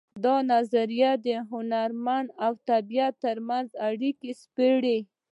دا نظریه د هنرمن او طبیعت ترمنځ اړیکه سپړي